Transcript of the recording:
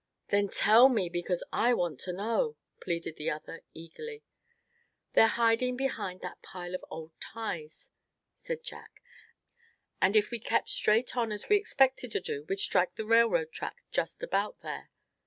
"Then tell me, because I want to know," pleaded the other, eagerly. "They're hiding behind that pile of old ties," said Jack; "and if we kept straight on as we expected to do we'd strike the railroad track just about there."